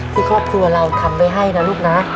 ที่ครอบครัวเราทำไว้ให้นะลูกนะ